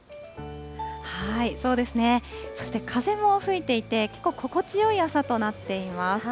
そうですね、そして風も吹いていて、心地よい朝となっています。